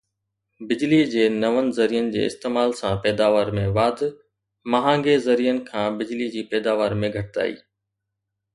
بجلي جي نون ذريعن جي استعمال سان پيداوار ۾ واڌ مهانگي ذريعن کان بجلي جي پيداوار ۾ گهٽتائي